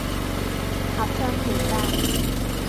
合唱團咋